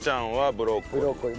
ブロッコリー。